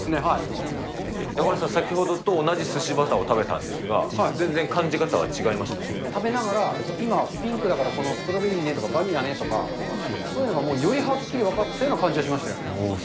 中丸さん、先ほどと同じすしバターを食べたんですが、全然感食べながら今、ピンクだからこのストロベリーねとか、バニラねとか、そういうのがよりはっきり分かったような感じはしましたよね。